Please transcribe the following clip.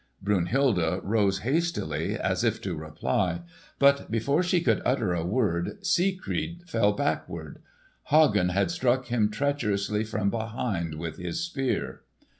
Brunhilde rose hastily as if to reply; but before she could utter a word Siegfried fell backward. Hagen had struck him treacherously from behind with his spear.